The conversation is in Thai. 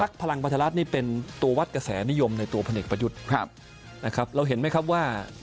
ครับเราเห็นไหมครับว่า